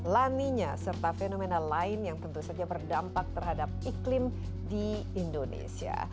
laninya serta fenomena lain yang tentu saja berdampak terhadap iklim di indonesia